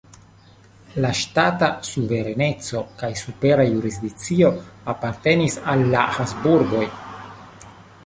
La ŝtata suvereneco kaj supera jurisdikcio apartenis al la Habsburgoj.